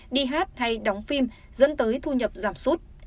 đi hát hay đóng phim dẫn tới thu nhập giảm sút